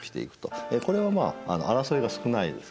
これはまあ争いが少ないですからね。